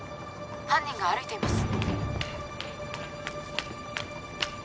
犯人が歩いています